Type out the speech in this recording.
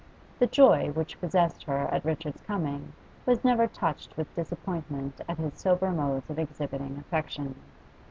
The joy which possessed her at Richard's coming was never touched with disappointment at his sober modes of exhibiting affection.